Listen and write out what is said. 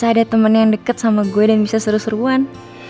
saya ada temen yang deket sama gue dan bisa seru seruan